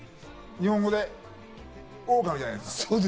日本語で狼じゃないですか。